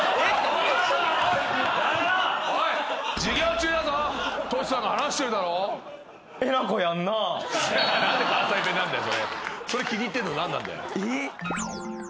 それ気に入ってんの何なんだよ。